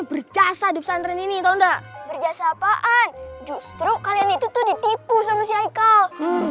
berjasa di pesantren ini tahu nggak berjasa apaan justru kalian itu tuh ditipu sama si haikal